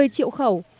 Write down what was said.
một mươi triệu khẩu